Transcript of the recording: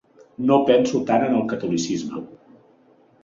No penso tant en el catolicisme.